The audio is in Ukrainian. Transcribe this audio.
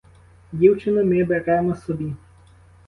Дівчину ми беремо собі.